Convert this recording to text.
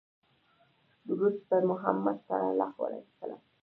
درود په محمدﷺ